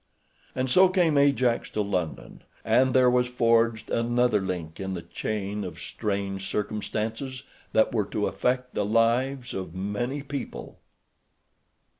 And so came Ajax to London, and there was forged another link in the chain of strange circumstances that were to affect the lives of many people.